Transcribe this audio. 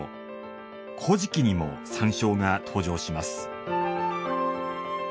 「古事記」にも山椒が登場します。